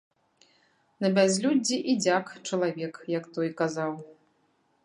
На бязлюддзі і дзяк чалавек, як той казаў.